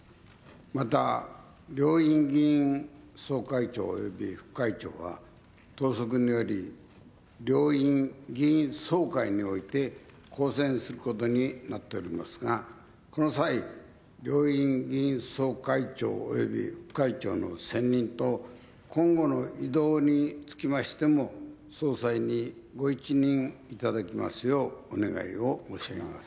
また、両院議院総会長および副会長は、党則により、両院議員総会において公選することになっておりますが、この際、両院議員総会長および副会長の選任と、今後の異動につきましても、総裁にご一任いただきますよう、お願いを申し上げます。